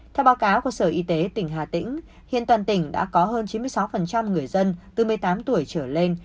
theo báo cáo của sở y tế tỉnh hà tĩnh hiện toàn tỉnh đã có hơn chín mươi sáu người dân từ một mươi tám tuổi trở lên